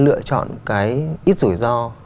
lựa chọn cái ít rủi ro